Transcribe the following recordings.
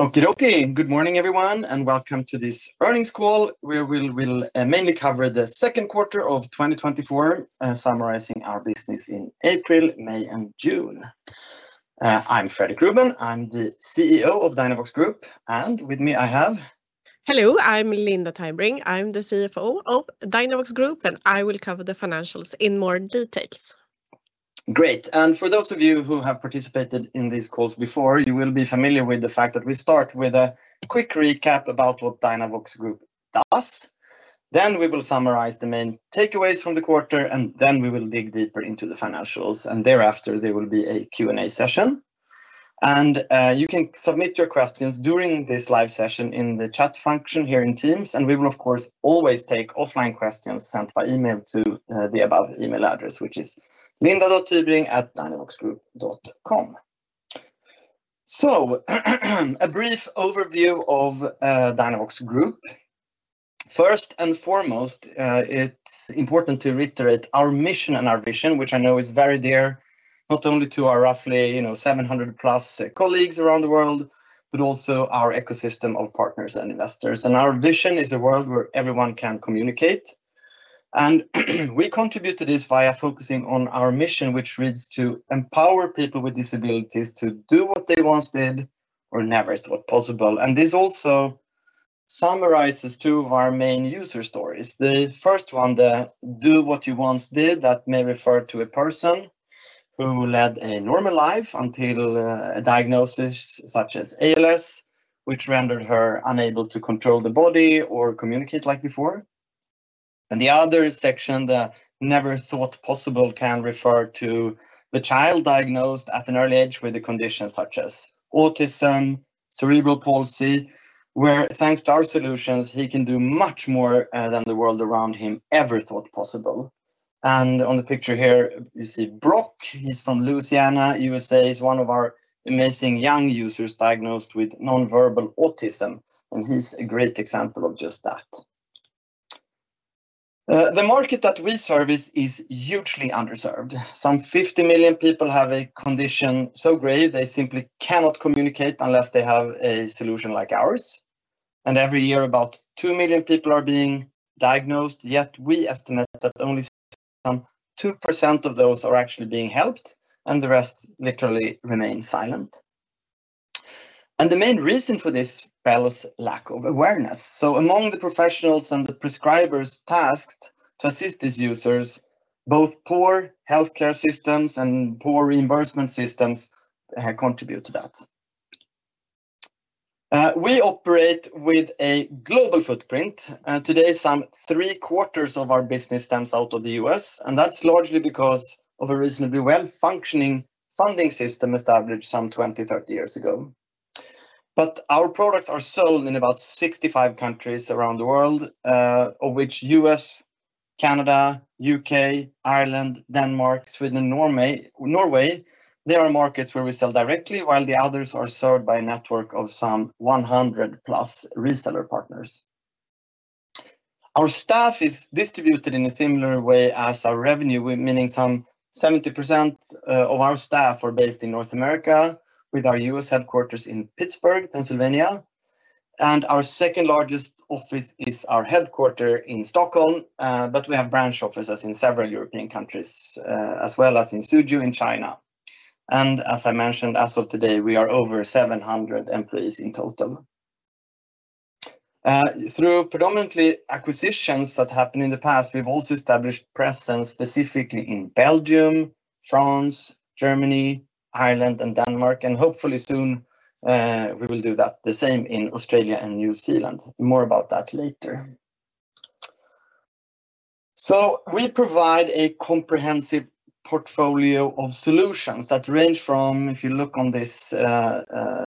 Okey-dokey. Good morning, everyone, and welcome to this earnings call, where we will mainly cover the second quarter of 2024, summarizing our business in April, May, and June. I'm Fredrik Ruben, I'm the CEO of Dynavox Group, and with me I have- Hello, I'm Linda Tybring. I'm the CFO of Dynavox Group, and I will cover the financials in more details. Great, and for those of you who have participated in these calls before, you will be familiar with the fact that we start with a quick recap about what Dynavox Group does. Then we will summarize the main takeaways from the quarter, and then we will dig deeper into the financials, and thereafter, there will be a Q&A session. And, you can submit your questions during this live session in the chat function here in Teams, and we will, of course, always take offline questions sent by email to the above email address, which is linda.tybring@dynavoxgroup.com. So, a brief overview of Dynavox Group. First and foremost, it's important to reiterate our mission and our vision, which I know is very dear, not only to our roughly, you know, 700+ colleagues around the world, but also our ecosystem of partners and investors. Our vision is a world where everyone can communicate. We contribute to this via focusing on our mission, which reads, "To empower people with disabilities to do what they once did or never thought possible." This also summarizes two of our main user stories. The first one, the do what you once did, that may refer to a person who led a normal life until a diagnosis such as ALS, which rendered her unable to control the body or communicate like before. The other section, the never thought possible, can refer to the child diagnosed at an early age with a condition such as autism, cerebral palsy, where, thanks to our solutions, he can do much more than the world around him ever thought possible. On the picture here, you see Brock. He's from Louisiana, USA. He's one of our amazing young users diagnosed with non-verbal autism, and he's a great example of just that. The market that we service is hugely underserved. Some 50 million people have a condition so great they simply cannot communicate unless they have a solution like ours, and every year, about two million people are being diagnosed, yet we estimate that only some 2% of those are actually being helped, and the rest literally remain silent. The main reason for this is lack of awareness. So among the professionals and the prescribers tasked to assist these users, both poor healthcare systems and poor reimbursement systems have contributed to that. We operate with a global footprint, and today, some three-quarters of our business stems out of the U.S., and that's largely because of a reasonably well-functioning funding system established some 20-30 years ago. But our products are sold in about 65 countries around the world, of which U.S., Canada, U.K., Ireland, Denmark, Sweden, Norway, they are markets where we sell directly, while the others are served by a network of some 100+ reseller partners. Our staff is distributed in a similar way as our revenue, with, meaning some 70%, of our staff are based in North America, with our U.S. headquarters in Pittsburgh, Pennsylvania, and our second-largest office is our headquarters in Stockholm, but we have branch offices in several European countries, as well as in Suzhou, in China. And as I mentioned, as of today, we are over 700 employees in total. Through predominantly acquisitions that happened in the past, we've also established presence, specifically in Belgium, France, Germany, Ireland, and Denmark, and hopefully soon, we will do that the same in Australia and New Zealand. More about that later. So we provide a comprehensive portfolio of solutions that range from, if you look on this,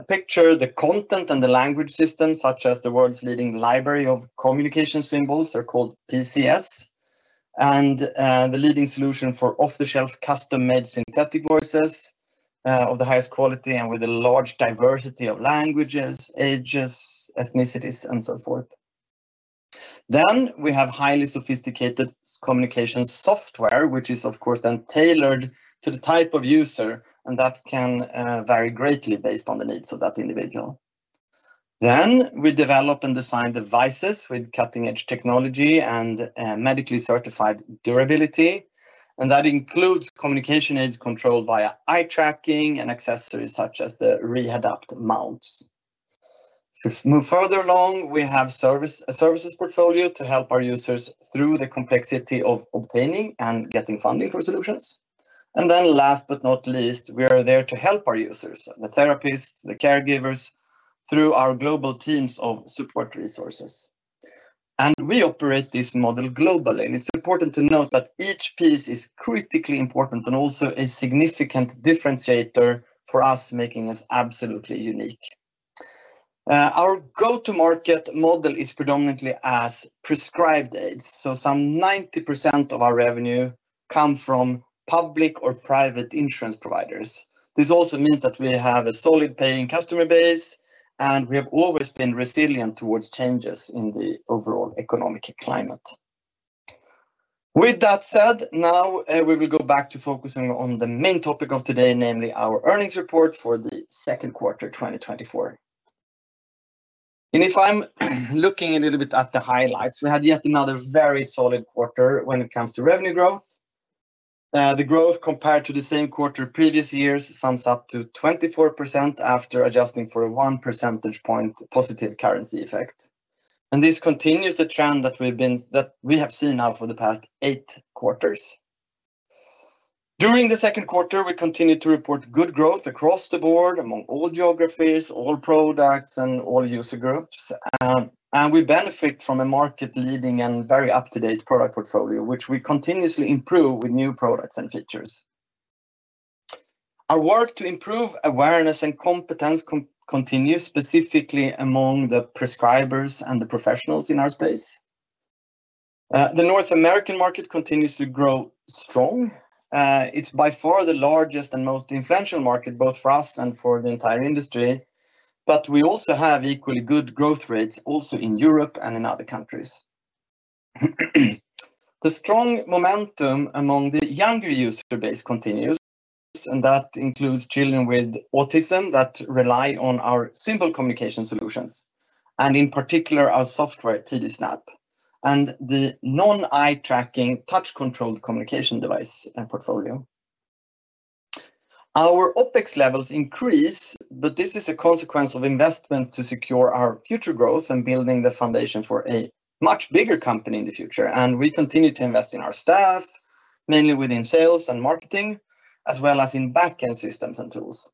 picture, the content and the language system, such as the world's leading library of communication symbols, they're called PCS, and, the leading solution for off-the-shelf, custom-made synthetic voices, of the highest quality and with a large diversity of languages, ages, ethnicities, and so forth. Then we have highly sophisticated communication software, which is, of course, then tailored to the type of user, and that can, vary greatly based on the needs of that individual. Then we develop and design devices with cutting-edge technology and medically certified durability, and that includes communication aids controlled via eye tracking and accessories, such as the Rehadapt mounts. To move further along, we have a services portfolio to help our users through the complexity of obtaining and getting funding for solutions. And then last but not least, we are there to help our users, the therapists, the caregivers, through our global teams of support resources. And we operate this model globally, and it's important to note that each piece is critically important and also a significant differentiator for us, making us absolutely unique. Our go-to-market model is predominantly as prescribed aids, so some 90% of our revenue come from public or private insurance providers. This also means that we have a solid paying customer base, and we have always been resilient towards changes in the overall economic climate. With that said, now, we will go back to focusing on the main topic of today, namely our earnings report for the second quarter, 2024. And if I'm looking a little bit at the highlights, we had yet another very solid quarter when it comes to revenue growth. The growth compared to the same quarter previous years sums up to 24% after adjusting for a one percentage point positive currency effect. And this continues the trend that we've been, that we have seen now for the past eight quarters. During the second quarter, we continued to report good growth across the board among all geographies, all products, and all user groups. And we benefit from a market-leading and very up-to-date product portfolio, which we continuously improve with new products and features. Our work to improve awareness and competence continues, specifically among the prescribers and the professionals in our space. The North American market continues to grow strong. It's by far the largest and most influential market, both for us and for the entire industry. But we also have equally good growth rates, also in Europe and in other countries. The strong momentum among the younger user base continues, and that includes children with autism that rely on our simple communication solutions, and in particular, our software, TD Snap, and the non-eye-tracking, touch-controlled communication device portfolio. Our OpEx levels increase, but this is a consequence of investment to secure our future growth and building the foundation for a much bigger company in the future, and we continue to invest in our staff, mainly within sales and marketing, as well as in back-end systems and tools.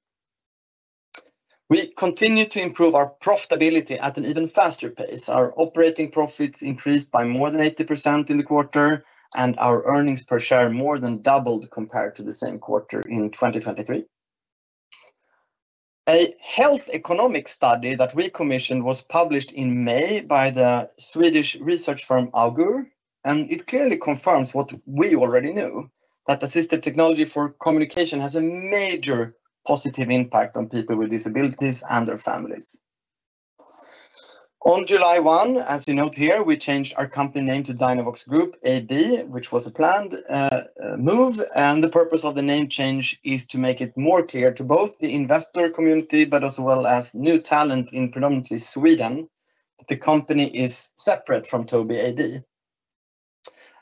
We continue to improve our profitability at an even faster pace. Our operating profits increased by more than 80% in the quarter, and our earnings per share more than doubled compared to the same quarter in 2023. A health economic study that we commissioned was published in May by the Swedish research firm, Augur, and it clearly confirms what we already knew, that assistive technology for communication has a major positive impact on people with disabilities and their families. On July 1, as we note here, we changed our company name to Dynavox Group AB, which was a planned move. The purpose of the name change is to make it more clear to both the investor community, but as well as new talent in predominantly Sweden, that the company is separate from Tobii AB.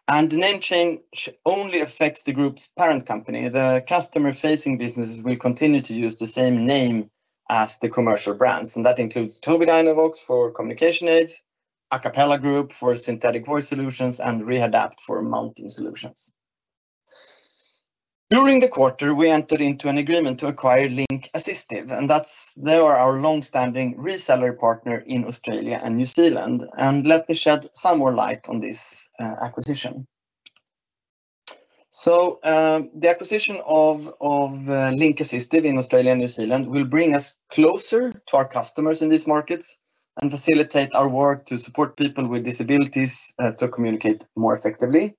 The name change only affects the group's parent company. The customer-facing businesses will continue to use the same name as the commercial brands, and that includes Tobii Dynavox for communication aids, Acapela Group for synthetic voice solutions, and Rehadapt for mounting solutions. During the quarter, we entered into an agreement to acquire Link Assistive, and that's, they are our long-standing reseller partner in Australia and New Zealand, and let me shed some more light on this acquisition. So, the acquisition of Link Assistive in Australia and New Zealand will bring us closer to our customers in these markets and facilitate our work to support people with disabilities to communicate more effectively.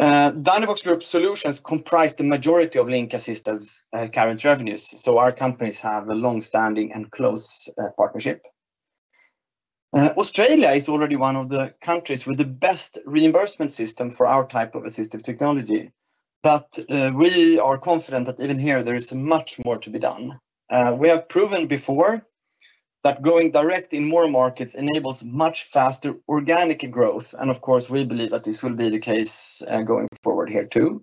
Dynavox Group solutions comprise the majority of Link Assistive's current revenues, so our companies have a long-standing and close partnership. Australia is already one of the countries with the best reimbursement system for our type of assistive technology. But we are confident that even here, there is much more to be done. We have proven before that going direct in more markets enables much faster organic growth, and of course, we believe that this will be the case going forward here, too.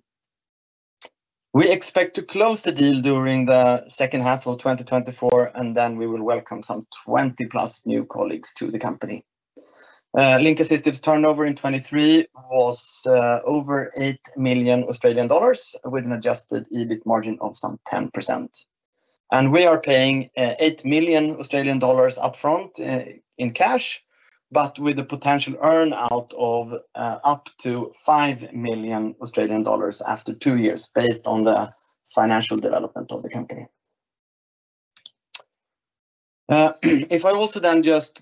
We expect to close the deal during the second half of 2024, and then we will welcome some 20+ new colleagues to the company. Link Assistive's turnover in 2023 was over 8 million Australian dollars, with an adjusted EBIT margin of some 10%. We are paying 8 million Australian dollars upfront in cash, but with the potential earn-out of up to 5 million Australian dollars after two years, based on the financial development of the company. If I also then just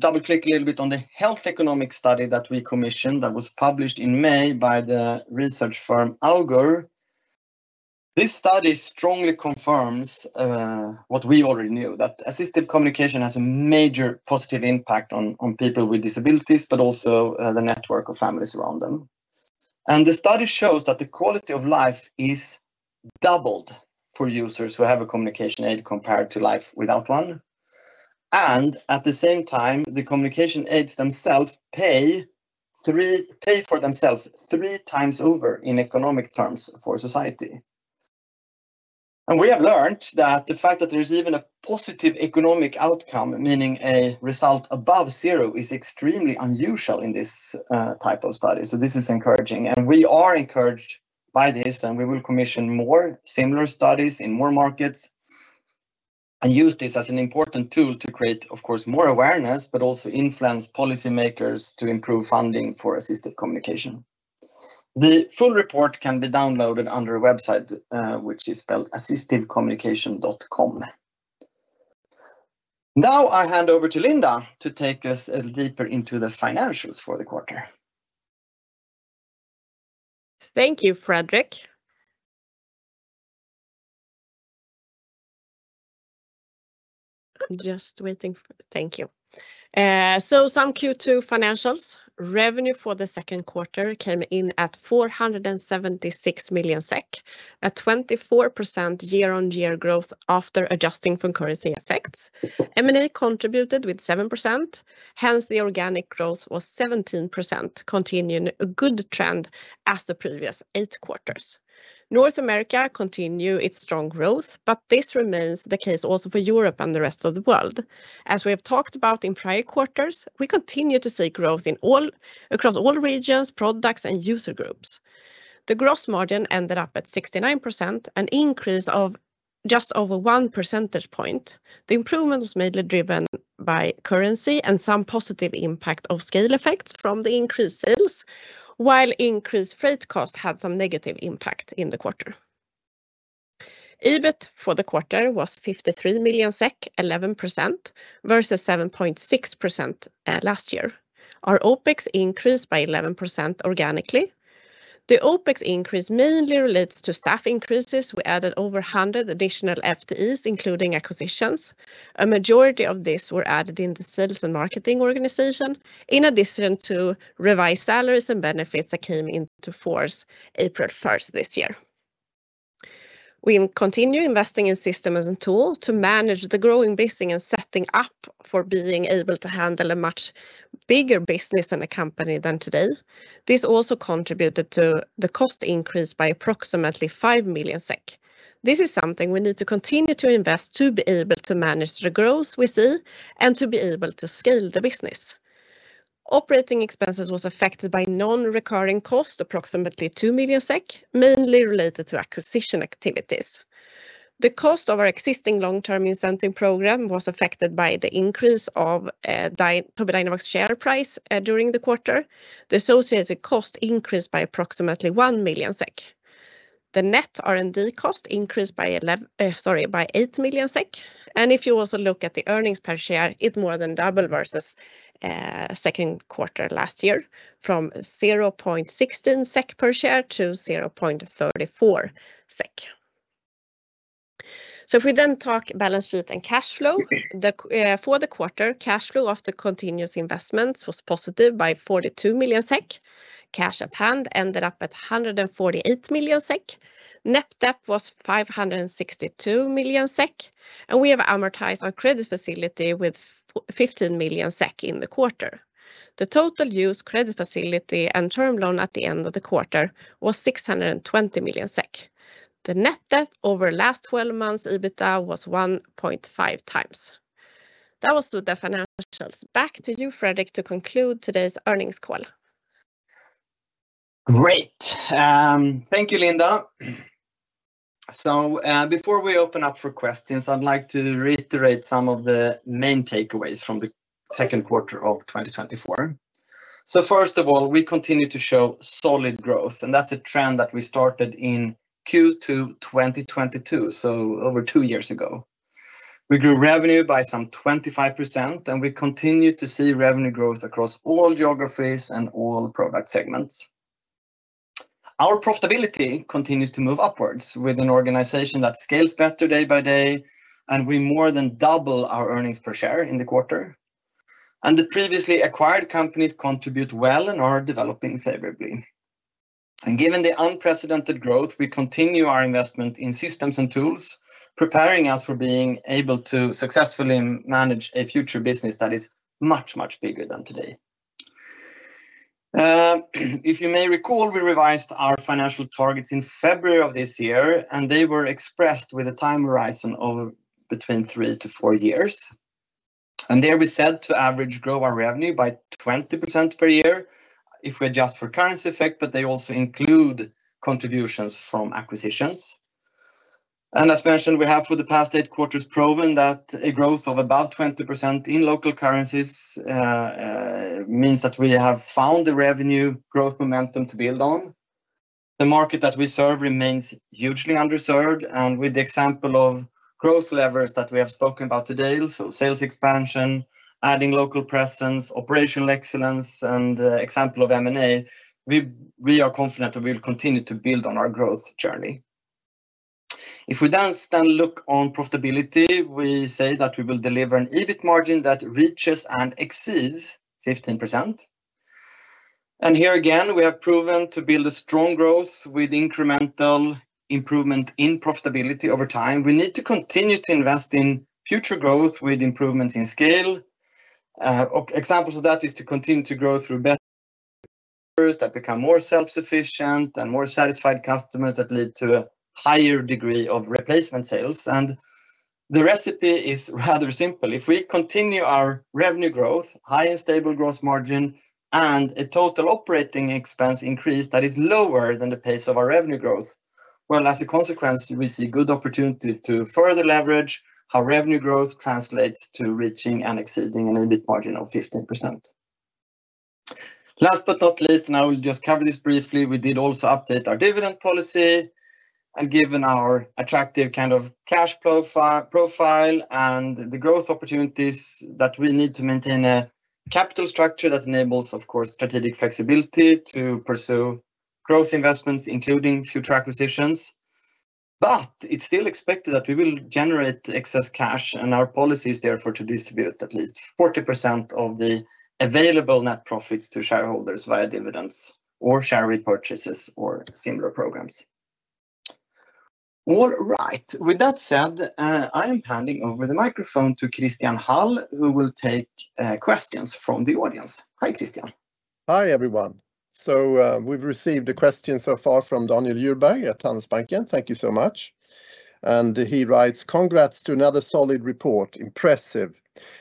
double-click a little bit on the health economic study that we commissioned, that was published in May by the research firm Augur. This study strongly confirms what we already knew, that assistive communication has a major positive impact on people with disabilities, but also the network of families around them. The study shows that the quality of life is doubled for users who have a communication aid compared to life without one. At the same time, the communication aids themselves pay for themselves 3x over in economic terms for society. We have learned that the fact that there's even a positive economic outcome, meaning a result above zero, is extremely unusual in this type of study, so this is encouraging. We are encouraged by this, and we will commission more similar studies in more markets, and use this as an important tool to create, of course, more awareness, but also influence policymakers to improve funding for assistive communication. The full report can be downloaded on their website, which is spelled assistivecommunication.com. Now, I hand over to Linda to take us a little deeper into the financials for the quarter. Thank you, Fredrik. I'm just waiting for, thank you. So some Q2 financials. Revenue for the second quarter came in at 476 million SEK, a 24% year-on-year growth after adjusting for currency effects. M&A contributed with 7%, hence, the organic growth was 17%, continuing a good trend as the previous eight quarters. North America continue its strong growth, but this remains the case also for Europe and the rest of the world. As we have talked about in prior quarters, we continue to see growth across all regions, products, and user groups. The gross margin ended up at 69%, an increase of just over one percentage point. The improvement was mainly driven by currency and some positive impact of scale effects from the increased sales, while increased freight costs had some negative impact in the quarter. EBIT for the quarter was 53 million SEK, 11% versus 7.6% last year. Our OpEx increased by 11% organically. The OpEx increase mainly relates to staff increases. We added over 100 additional FTEs, including acquisitions. A majority of these were added in the sales and marketing organization, in addition to revised salaries and benefits that came into force April 1st this year. We continue investing in systems and tool to manage the growing business and setting up for being able to handle a much bigger business and a company than today. This also contributed to the cost increase by approximately 5 million SEK. This is something we need to continue to invest to be able to manage the growth we see and to be able to scale the business. Operating expenses was affected by non-recurring costs, approximately 2 million SEK, mainly related to acquisition activities. The cost of our existing long-term incentive program was affected by the increase of Tobii Dynavox share price during the quarter. The associated cost increased by approximately 1 million SEK. The net R&D cost increased by 8 million SEK, and if you also look at the earnings per share, it more than double versus second quarter last year, from 0.16 SEK per share to 0.34 SEK. So if we then talk balance sheet and cash flow, the for the quarter, cash flow after continuous investments was positive by 42 million SEK. Cash at hand ended up at 148 million SEK. Net debt was 562 million SEK, and we have amortized our credit facility with 15 million SEK in the quarter. The total used credit facility and term loan at the end of the quarter was 620 million SEK. The net debt over last twelve months EBITDA was 1.5x. That was with the financials. Back to you, Fredrik, to conclude today's earnings call. Great. Thank you, Linda. Before we open up for questions, I'd like to reiterate some of the main takeaways from the second quarter of 2024. First of all, we continue to show solid growth, and that's a trend that we started in Q2 2022, so over two years ago. We grew revenue by some 25%, and we continue to see revenue growth across all geographies and all product segments. Our profitability continues to move upwards with an organization that scales better day by day, and we more than double our earnings per share in the quarter. The previously acquired companies contribute well and are developing favorably. Given the unprecedented growth, we continue our investment in systems and tools, preparing us for being able to successfully manage a future business that is much, much bigger than today. If you may recall, we revised our financial targets in February of this year, and they were expressed with a time horizon of between three to four years. There we said to average grow our revenue by 20% per year if we adjust for currency effect, but they also include contributions from acquisitions. As mentioned, we have, for the past eight quarters, proven that a growth of about 20% in local currencies means that we have found the revenue growth momentum to build on. The market that we serve remains hugely underserved, and with the example of growth levers that we have spoken about today, so sales expansion, adding local presence, operational excellence, and example of M&A, we are confident that we'll continue to build on our growth journey. If we then look on profitability, we say that we will deliver an EBIT margin that reaches and exceeds 15%. And here, again, we have proven to build a strong growth with incremental improvement in profitability over time. We need to continue to invest in future growth with improvements in scale. Examples of that is to continue to grow through better that become more self-sufficient and more satisfied customers that lead to a higher degree of replacement sales. And the recipe is rather simple. If we continue our revenue growth, high and stable gross margin, and a total operating expense increase that is lower than the pace of our revenue growth, well, as a consequence, we see good opportunity to further leverage how revenue growth translates to reaching and exceeding an EBIT margin of 15%. Last but not least, and I will just cover this briefly, we did also update our dividend policy, and given our attractive kind of cash profile and the growth opportunities, that we need to maintain a capital structure that enables, of course, strategic flexibility to pursue growth investments, including future acquisitions, but it's still expected that we will generate excess cash, and our policy is therefore to distribute at least 40% of the available net profits to shareholders via dividends, or share repurchases, or similar programs. All right, with that said, I am handing over the microphone to Christian Hall, who will take questions from the audience. Hi, Christian. Hi, everyone. So, we've received a question so far from Daniel Djurberg at Handelsbanken, and thank you so much. He writes, "Congrats to another solid report. Impressive.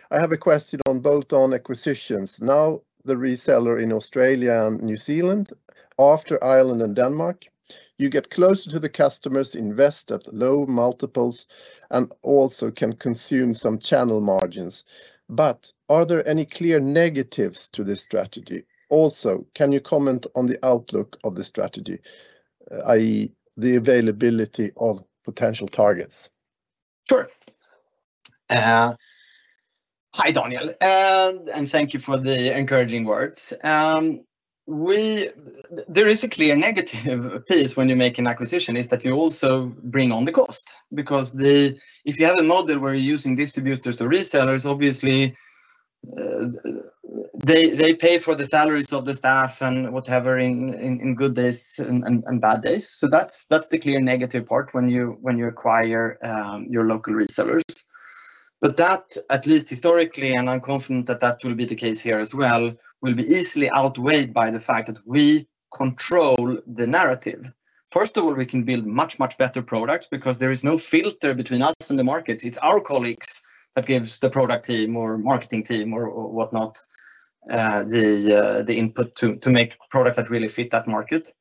I have a question on bolt-on acquisitions. Now, the reseller in Australia and New Zealand, after Ireland and Denmark, you get closer to the customers, invest at low multiples, and also can consume some channel margins. But are there any clear negatives to this strategy? Also, can you comment on the outlook of the strategy, i.e., the availability of potential targets? Sure. Hi, Daniel, and, and thank you for the encouraging words. There is a clear negative piece when you make an acquisition, is that you also bring on the cost. Because the... if you have a model where you're using distributors or resellers, obviously, they, they pay for the salaries of the staff and whatever in, in, in good days and, and, and bad days. So that's, that's the clear negative part when you, when you acquire, your local resellers. But that, at least historically, and I'm confident that that will be the case here as well, will be easily outweighed by the fact that we control the narrative. First of all, we can build much, much better products because there is no filter between us and the market. It's our colleagues that gives the product team or marketing team or whatnot the input to make products that really fit that market.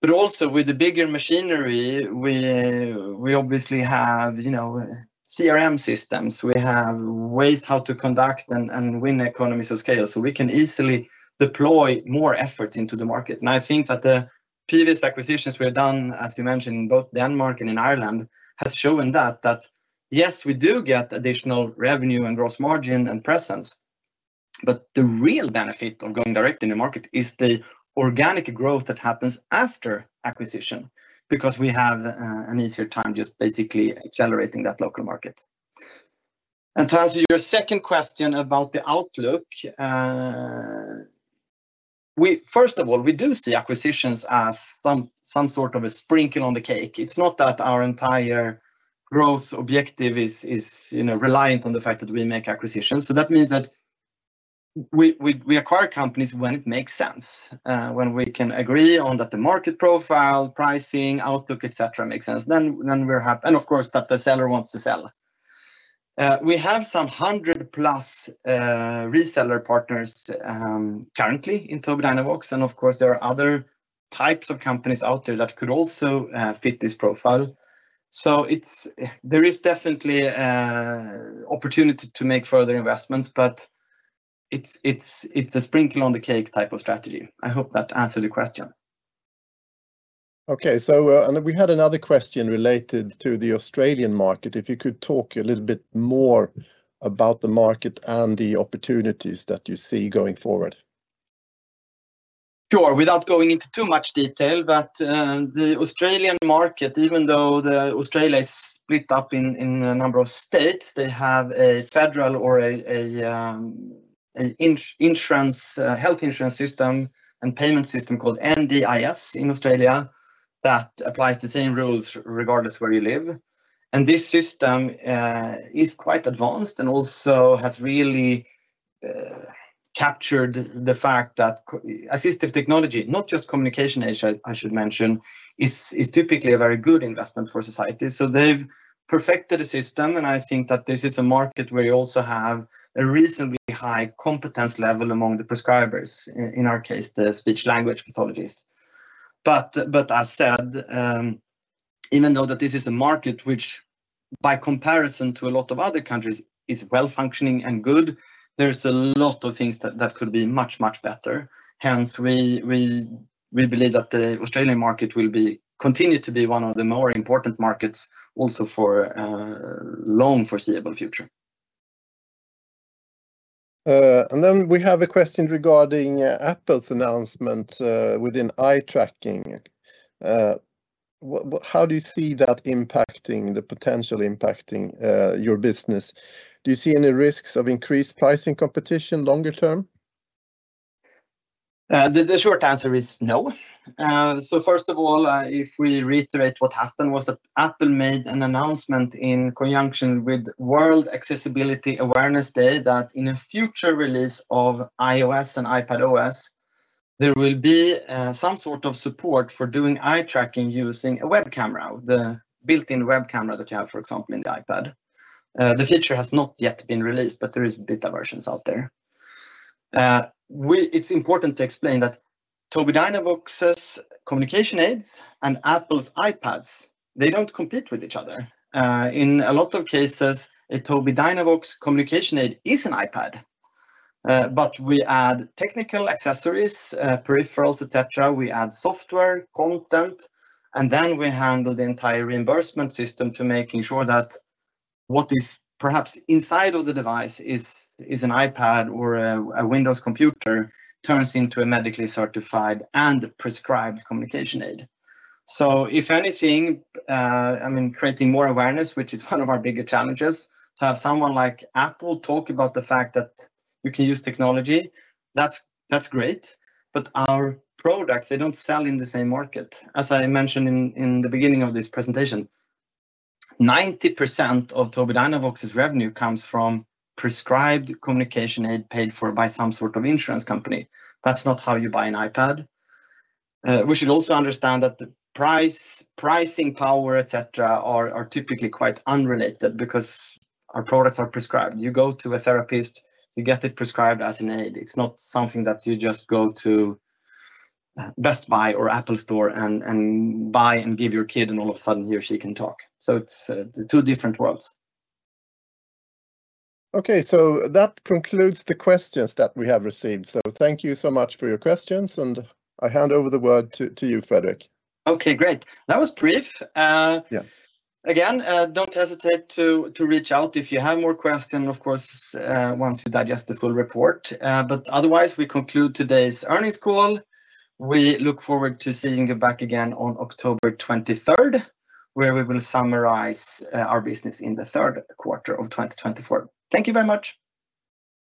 But also, with the bigger machinery, we obviously have, you know, CRM systems. We have ways how to conduct and win economies of scale, so we can easily deploy more efforts into the market. And I think that the previous acquisitions we have done, as you mentioned, in both Denmark and in Ireland, has shown that yes, we do get additional revenue and gross margin and presence, but the real benefit of going direct in the market is the organic growth that happens after acquisition, because we have an easier time just basically accelerating that local market. And to answer your second question about the outlook, we... First of all, we do see acquisitions as some sort of a sprinkle on the cake. It's not that our entire growth objective is, you know, reliant on the fact that we make acquisitions. So that means that we acquire companies when it makes sense, when we can agree on that the market profile, pricing, outlook, et cetera, makes sense, then we're happy, and, of course, that the seller wants to sell. We have some 100+ reseller partners currently in Tobii Dynavox, and of course, there are other types of companies out there that could also fit this profile. So there is definitely an opportunity to make further investments, but it's a sprinkle-on-the-cake type of strategy. I hope that answered the question. Okay, so, and we had another question related to the Australian market. If you could talk a little bit more about the market and the opportunities that you see going forward. Sure. Without going into too much detail, but the Australian market, even though Australia is split up in a number of states, they have a federal or a insurance, health insurance system and payment system called NDIS in Australia, that applies the same rules regardless of where you live. And this system is quite advanced and also has really captured the fact that assistive technology, not just communication aids, I should mention, is typically a very good investment for society. So they've perfected a system, and I think that this is a market where you also have a reasonably high competence level among the prescribers, in our case, the speech language pathologist. But as said, even though that this is a market, which by comparison to a lot of other countries, is well-functioning and good, there's a lot of things that could be much, much better. Hence, we believe that the Australian market will continue to be one of the more important markets also for long foreseeable future. And then we have a question regarding Apple's announcement within eye tracking. How do you see that impacting, the potential impacting, your business? Do you see any risks of increased pricing competition longer term? The short answer is no. So first of all, if we reiterate what happened was that Apple made an announcement in conjunction with World Accessibility Awareness Day, that in a future release of iOS and iPadOS, there will be some sort of support for doing eye tracking using a web camera, the built-in web camera that you have, for example, in the iPad. The feature has not yet been released, but there is beta versions out there. It's important to explain that Tobii Dynavox's communication aids and Apple's iPads, they don't compete with each other. In a lot of cases, a Tobii Dynavox communication aid is an iPad. But we add technical accessories, peripherals, et cetera. We add software, content, and then we handle the entire reimbursement system to making sure that what is perhaps inside of the device is, is an iPad or a, a Windows computer, turns into a medically certified and prescribed communication aid. So if anything, I mean, creating more awareness, which is one of our bigger challenges, to have someone like Apple talk about the fact that you can use technology, that's, that's great. But our products, they don't sell in the same market. As I mentioned in, in the beginning of this presentation, 90% of Tobii Dynavox's revenue comes from prescribed communication aid paid for by some sort of insurance company. That's not how you buy an iPad. We should also understand that the price, pricing power, et cetera, are, are typically quite unrelated because our products are prescribed. You go to a therapist, you get it prescribed as an aid. It's not something that you just go to, Best Buy or Apple Store and buy and give your kid, and all of a sudden, he or she can talk. So it's two different worlds. Okay, so that concludes the questions that we have received, so thank you so much for your questions, and I hand over the word to you, Fredrik. Okay, great. That was brief. Yeah. Again, don't hesitate to, to reach out if you have more questions, of course, once you digest the full report. But otherwise, we conclude today's earnings call. We look forward to seeing you back again on October 23rd, where we will summarize our business in the third quarter of 2024. Thank you very much.